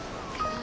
あ！